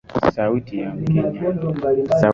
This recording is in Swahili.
Sauti ya mkenya.